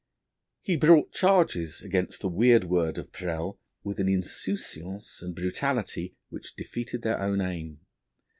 He brought charges against the weird world of Presles with an insouciance and brutality which defeated their own aim.